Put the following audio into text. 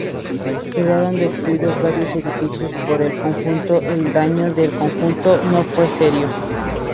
Quedaron destruidos varios edificios, pero en conjunto, el daño del conjunto no fue serio.